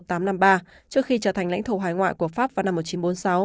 trước khi trở thành lãnh thổ hải ngoại của pháp vào năm một nghìn chín trăm bốn mươi sáu